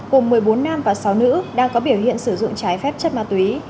cùng một mươi bốn nam và sáu nữ đang có biểu hiện sử dụng trái phép chất ma túy